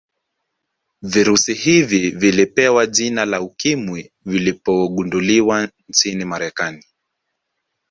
Virusi hivi vilipewa jina la ukimwi vilipogunduliwa nchini marekani